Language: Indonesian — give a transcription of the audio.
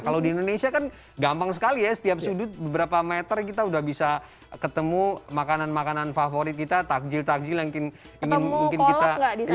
kalau di indonesia kan gampang sekali ya setiap sudut beberapa meter kita udah bisa ketemu makanan makanan favorit kita takjil takjil yang ingin mungkin kita